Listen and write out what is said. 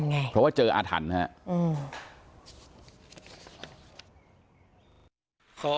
ฐานพระพุทธรูปทองคำ